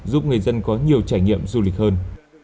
giúp người dân có nhiều trải nghiệm du lịch hơn